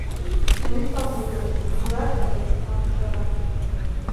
Молитвам лудыт, мурат ыле, — манын ойла.